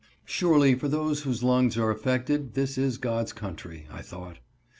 Surely for those whose lungs are affected this is God's country, I thought.